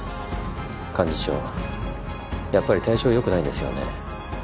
幹事長やっぱり体調良くないんですよね？